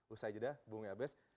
usai jeda bunga abes